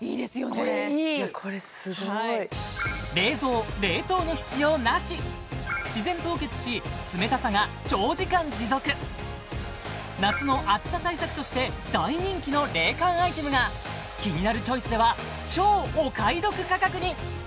これいいこれすごい冷蔵・冷凍の必要なし自然凍結し冷たさが長時間持続夏の暑さ対策として大人気の冷感アイテムが「キニナルチョイス」では超お買い得価格に！